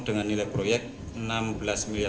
dengan nilai proyek rp tiga puluh tujuh miliar